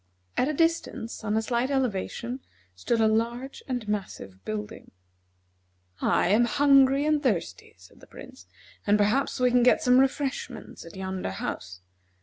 At a distance, on a slight elevation, stood a large and massive building. "I am hungry and thirsty," said the Prince, "and perhaps we can get some refreshments at yonder house.